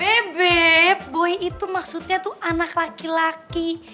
bebek boy itu maksudnya tuh anak laki laki